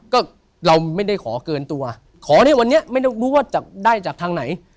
ก็เราไม่ได้ขอเกินตัวขอที่วันนี้ไม่ต้องรู้ว่าจะได้จากทางไหน